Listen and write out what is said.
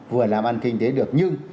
vừa làm ăn kinh tế được nhưng